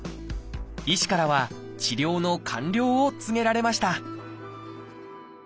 医師からは治療の完了を告げられました